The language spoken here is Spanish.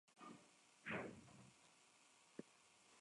Lennon una vez dijo de la canción: ""Fue inspirada por el Maharishi.